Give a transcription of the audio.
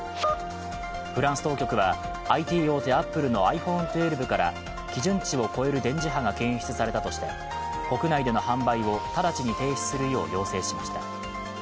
フランス当局はＩＴ大手アップルのｉＰｈｏｎｅ１２から基準値を超える電磁波が検出されたとして国内での販売を直ちに停止するよう要請しました。